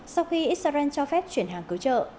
sau khi israel cho phép chuyển hàng cứu trợ